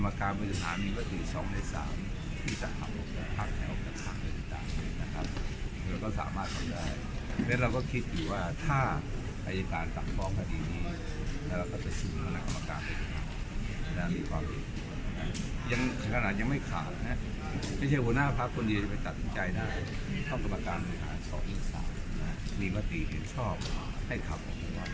ไม่ใช่วันน่าภาคคนเดียวจะไปตัดสินใจนะเขาก็บาการการศาสตร์มีมติชอบให้ครับ